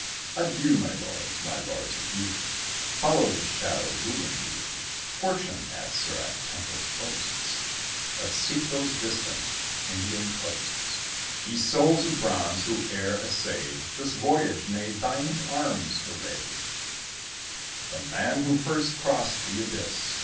Adieu, my lords; my lords, adieu; Follow the shadow ruling you. Fortune at Surat temples boasts; Let's seek those distant Indian coasts, Ye souls of bronze who e'er essayed This voyage; nay, diamond arms arrayed The man who first crossed the abyss.